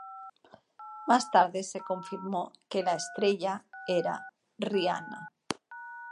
Más tarde se confirmó que la "estrella" era Rihanna.